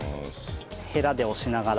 ヘラで押しながら。